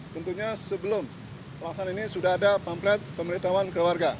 tentunya sebelum pelaksanaan ini sudah ada pamplet pemerintah kewarga